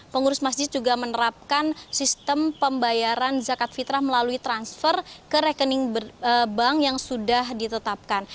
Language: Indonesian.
pengurus masjid juga menerapkan sistem pembayaran zakat fitrah melalui transfer ke rekening bank yang sudah ditetapkan